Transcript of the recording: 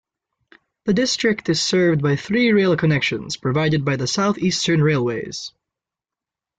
The District is served by three Rail connections provided by the South Eastern Railways.